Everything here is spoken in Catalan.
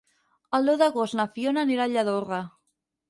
El deu d'agost na Fiona anirà a Lladorre.